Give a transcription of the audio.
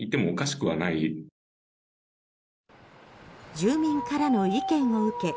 住民からの意見を受け